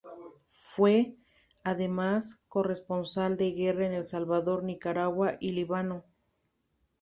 Fue, además, corresponsal de guerra en El Salvador, Nicaragua y Líbano.